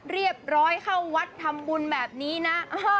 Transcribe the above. เรียบร้อยเข้าวัดทำบุญแบบนี้นะ